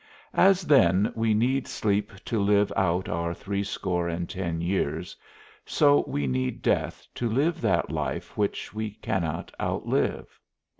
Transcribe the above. As then we need sleep to live out our threescore and ten years, so we need death to live that life which we cannot outlive.